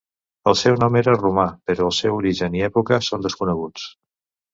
El seu nom era romà, però el seu origen i època són desconeguts.